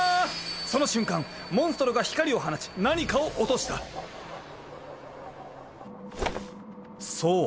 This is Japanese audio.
その瞬間モンストロが光を放ち何かを落としたそう